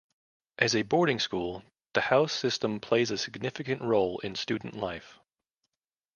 As a boarding school, the house system plays a significant role in student life.